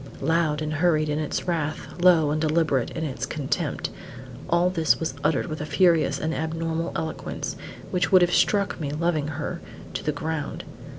Loud and hurried in its wrath, low and deliberate in its contempt, all this was uttered with a furious and abnormal eloquence, which would have struck me, loving her, to the ground.